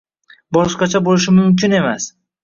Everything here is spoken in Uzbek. Boshqacha bo'lishi mumkin emas